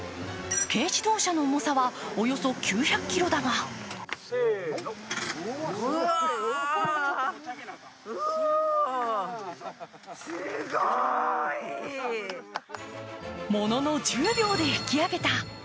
軽自動車の重さは、およそ９００ｋｇだがものの１０秒で引き上げた。